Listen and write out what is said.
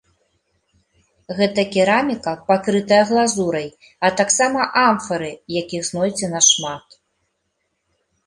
Гэта кераміка, пакрытая глазурай, а таксама амфары, якіх знойдзена шмат.